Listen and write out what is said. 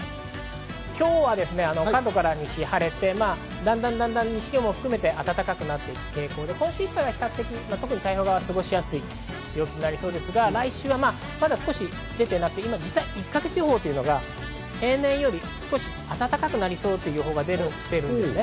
今日は関東から西は晴れて、だんだん西も含めて暖かく、今週いっぱいは比較的、太平洋側は過ごしやすい陽気になりそうですが来週は、まだ少し出てなくて１か月予報が平年よりも少し暖かくなりそうという予報が出てるんですね。